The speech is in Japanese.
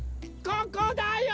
ここだよ